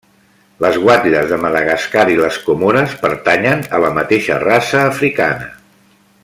Les guatlles de Madagascar i les Comores pertanyen a la mateixa raça africana.